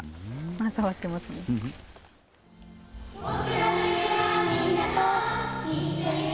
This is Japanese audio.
触ってますね。